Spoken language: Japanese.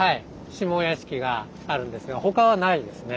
下屋敷があるんですが他はないですね。